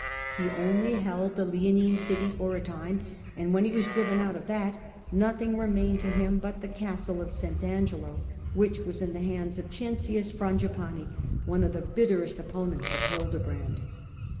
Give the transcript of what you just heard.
He only held the Leonine city for a time, and when he was driven out of that, nothing remained to him but the castle of St. Angelo, which was in the hands of Cencius, one of the bitterest opponents of Hildebrand.